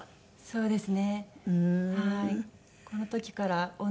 そうです。